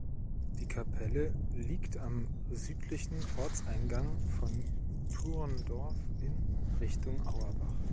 Die Kapelle liegt am südlichen Ortseingang von Thurndorf in Richtung Auerbach.